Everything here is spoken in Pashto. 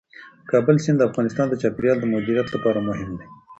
د کابل سیند د افغانستان د چاپیریال د مدیریت لپاره مهم دي.